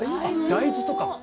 大豆とか？